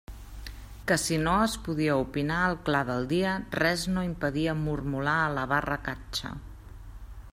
Que si no es podia opinar al clar del dia, res no impedia mormolar a la barra catxa.